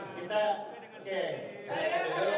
kita akan berharap